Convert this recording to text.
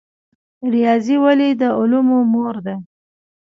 ریاضي ولې د علومو مور ده؟